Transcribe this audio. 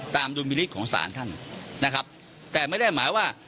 ตามดุมิลิตของศาลท่านแต่ไม่ได้หมายว่า